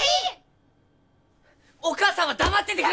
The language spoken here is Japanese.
お母さんは黙ってて！